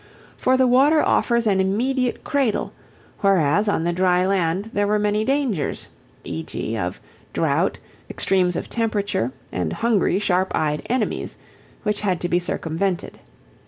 For the water offers an immediate cradle, whereas on the dry land there were many dangers, e.g. of drought, extremes of temperature, and hungry sharp eyed enemies, which had to be circumvented.